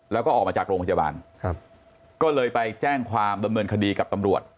แล้วก็ออกมาจากโรงพยาบาลก็เลยไปแจ้งความดำเนินคดีกับตำรวจ